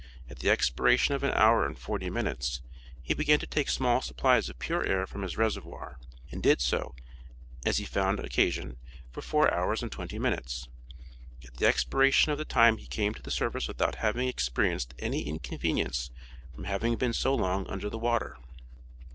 At the expiration of an hour and forty minutes, he began to take small supplies of pure air from his reservoir, and did so, as he found occasion, for four hours and twenty minutes. At the expiration of the time he came to the surface without having experienced any inconvenience from having been so long under the water.